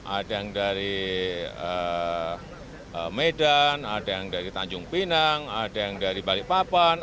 ada yang dari medan ada yang dari tanjung pinang ada yang dari balikpapan